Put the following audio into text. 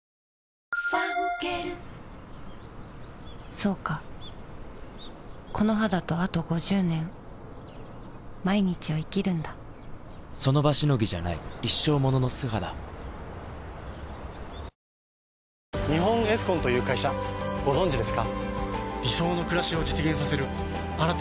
そうかこの肌とあと５０年その場しのぎじゃない一生ものの素肌ご存知ですか？